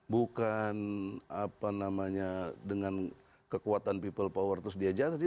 bukan apa namanya dengan kekuatan people power terus dia jadi